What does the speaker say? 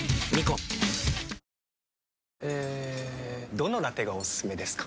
どのラテがおすすめですか？